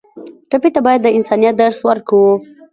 ټپي ته باید د انسانیت درس ورکړو.